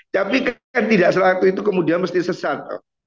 tapi kan tidak selaku itu kemudian mesti sesat